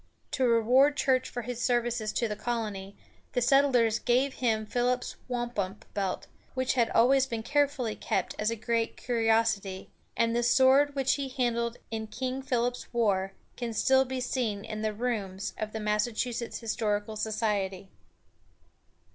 To reward Church for his services to the colony, the settlers gave him Philip's wampum belt, which has always been carefully kept as a great curiosity; and the sword which he handled in King Philip's War can still be seen in the rooms of the Massachusetts Historical Society.